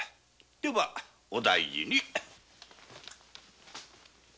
ではお大事に。